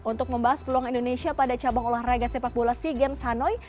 untuk membahas peluang indonesia pada cabang olahraga sepak bola sea games hanoi